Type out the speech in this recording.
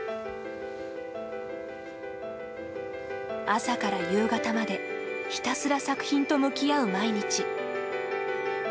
朝から夕方までひたすら作品を向き合う毎日。